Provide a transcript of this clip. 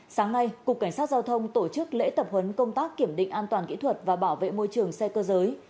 sáng nay cục cảnh sát giao thông tổ chức lễ tập huấn công tác kiểm định an toàn kỹ thuật và bảo vệ môi trường xe cơ giới